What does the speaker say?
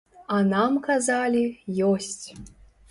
А нам казалі, ёсць!